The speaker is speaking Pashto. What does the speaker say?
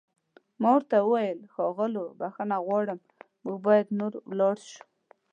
ما ورته وویل: ښاغلو، بښنه غواړم موږ باید نور ولاړ شو.